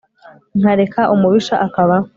nkareka umubisha akabaho